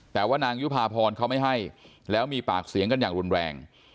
แต่ว่านางยุภาพรเขาไม่ให้แล้วมีปากเสียงกันอย่างรุนแรง